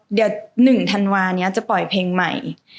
เดี๋ยว๑ธันวานี้จะปล่อยเพลงใหม่